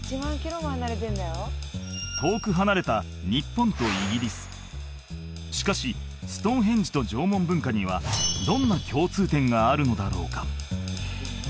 遠く離れた日本とイギリスしかしストーンヘンジと縄文文化にはどんな共通点があるのだろうか？